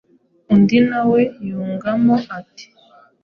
undi nawe yungamo ati